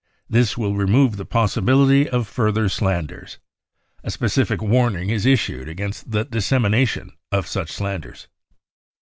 This will remove the possibility of further slanders. A specific warning is issued against the dissemination of such slanders."